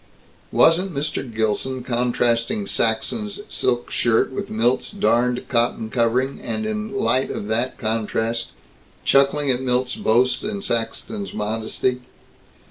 Wasn't Mr. Gilson contrasting Saxton's silk shirt with Milt's darned cotton covering, and in light of that contrast chuckling at Milt's boast and Saxton's modesty?